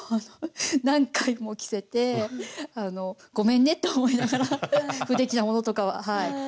何回も着せてごめんねって思いながら不出来なものとかははい。